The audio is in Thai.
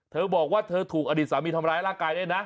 เธอบอกว่าเธอถูกอดีตสามีทำร้ายร่างกายด้วยนะ